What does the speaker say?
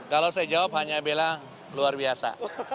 kalau saya jawab hanya bilang luar biasa